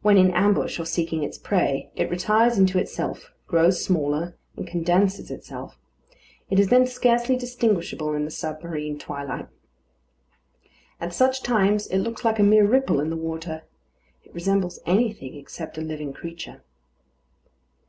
When in ambush, or seeking its prey, it retires into itself, grows smaller and condenses itself. It is then scarcely distinguishable in the submarine twilight. At such times, it looks like a mere ripple in the water. It resembles anything except a living creature.